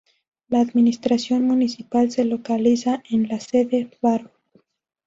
La administración municipal se localiza en la sede: Barro.